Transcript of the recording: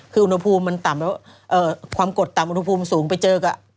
คืออุณหภูมิมันต่ำแล้วความกดต่ำอุณหภูมิสูงไปเจอกับ